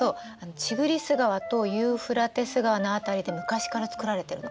ティグリス川とユーフラテス川の辺りで昔から作られてるの。